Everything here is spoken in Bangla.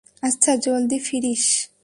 আচ্ছা, জলদি ফিরিস।